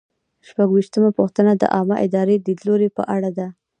شپږویشتمه پوښتنه د عامه ادارې د لیدلوري په اړه ده.